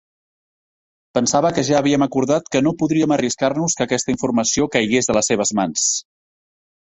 Pensava que ja havíem acordat que no podríem arriscar-nos que aquesta informació caigués a les seves mans.